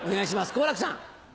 好楽さん。